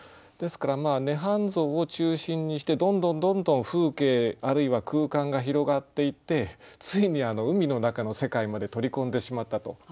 ですから涅槃像を中心にしてどんどんどんどん風景あるいは空間が広がっていってついに海の中の世界まで取り込んでしまったと。